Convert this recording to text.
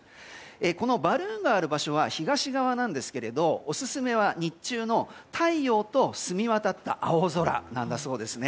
このバルーンがある場所は東側なんですけれどオススメは日中の太陽と澄み渡った青空だそうです。